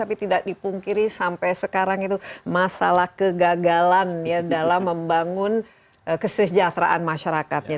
tapi tidak dipungkiri sampai sekarang itu masalah kegagalan ya dalam membangun kesejahteraan masyarakatnya